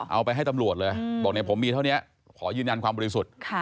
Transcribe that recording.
เอาไปให้ตำรวจเลยบอกเนี่ยผมมีเท่านี้ขอยืนยันความบริสุทธิ์